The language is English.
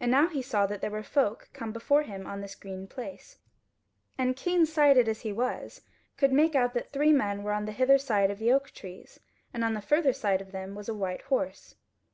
And now he saw that there were folk come before him on this green place, and keen sighted as he was, could make out that three men were on the hither side of the oak trees, and on the further side of them was a white horse.